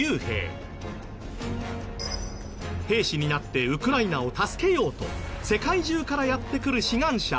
兵士になってウクライナを助けようと世界中からやって来る志願者